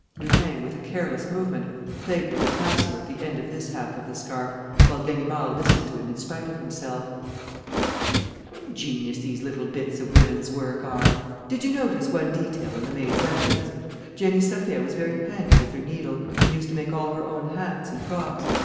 Lupin, with a careless movement, played with the tassel at the end of this half of the scarf, while Ganimard listened to him in spite of himself: "How ingenious these little bits of women's work are! Did you notice one detail in the maid's evidence? Jenny Saphir was very handy with her needle and used to make all her own hats and frocks.